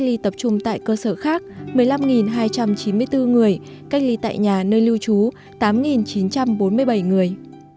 trong đó cách ly tập trung tại bệnh viện ba trăm tám mươi năm người cách ly tại nhà nơi lưu trú tám chín trăm bốn mươi bảy người cách ly tại nhà nơi lưu trú tám chín trăm bốn mươi bảy người